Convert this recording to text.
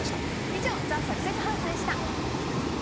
以上ＴＨＥサクセスハウスでした。